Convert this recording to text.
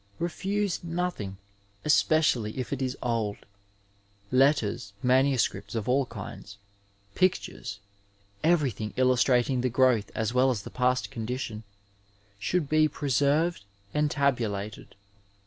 Refuse nothing, especially if it is old ; letters, manuscripts of all kinds, pictures, ever]rthing illustrating the growth as well as the past condition, should be preserved and tabulated.